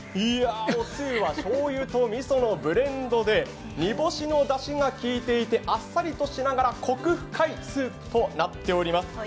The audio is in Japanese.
おつゆは、しょうゆとみそのブレンドで煮干しのだしが効いていてあっさりとしながらこく深いスープとなっております。